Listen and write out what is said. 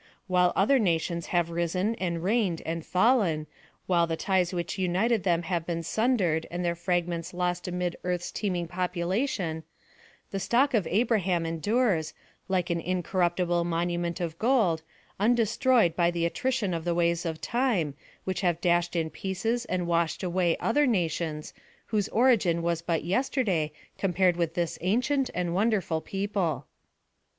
While otiier nations have risen and reigned and fallen ; while the ties which united them have been sun dered, and their fragments lost amid earth's teeming population, the stock of Abraham endures, like an incorruptible monument of gold, undestroyed by the attrition of the waves of time, which have dashed in pieces and washed away other nations, whose origin was but yesterday, compared with this ancient and wonderful people.